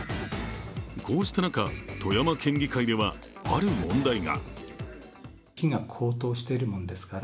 こうした中、富山県議会ではある問題が。